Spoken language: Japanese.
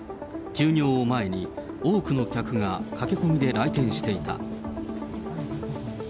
休業を前に、多くの客が駆け込みで来店していた。